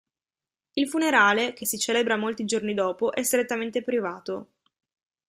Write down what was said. Il funerale, che si celebra molti giorni dopo, è strettamente privato.